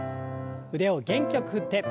腕を元気よく振って。